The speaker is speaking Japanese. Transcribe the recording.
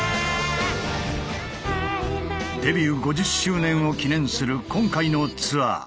デビュー５０周年を記念する今回のツアー。